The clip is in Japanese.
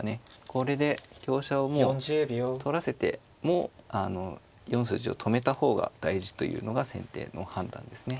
これで香車をもう取らせてもあの４筋を止めた方が大事というのが先手の判断ですね。